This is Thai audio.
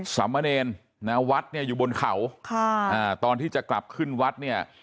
สามเณรนะวัดเนี่ยอยู่บนเขาค่ะอ่าตอนที่จะกลับขึ้นวัดเนี่ย